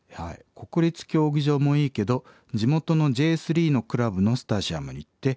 「国立競技場もいいけど地元のＪ３のクラブのスタジアムに行って思う